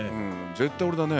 絶対俺だね。